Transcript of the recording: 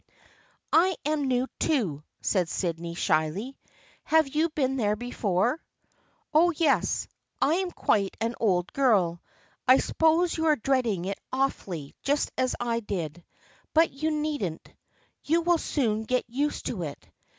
" I am new too," said Sydney, shyly. " Have you been there before ?"" Oh, yes. I am quite an old girl. I suppose you are dreading it awfully, just as I did. But you needn't. You will soon get used to it.